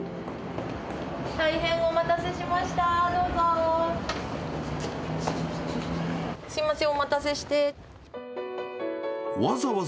大変お待たせしました、どうぞ。